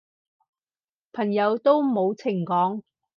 朋友都冇情講